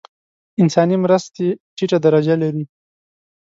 انساني مرستې ټیټه درجه لري.